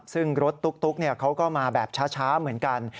ซึ่งรถตุ๊กเขาก็มาแบบช้าเหมือนกัน